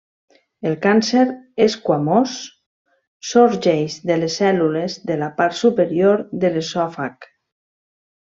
El càncer esquamós sorgeix de les cèl·lules de la part superior de l'esòfag.